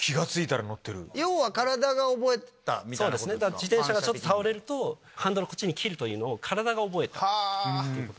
自転車がちょっと倒れるとハンドルこっちに切るというのを体が覚えたっていうこと。